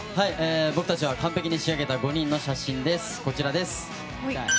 僕たちは完璧に仕上げた５人の写真です。